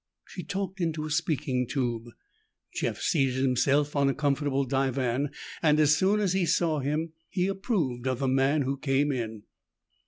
She talked into a speaking tube. Jeff seated himself on a comfortable divan, and as soon as he saw him, he approved of the man who came in.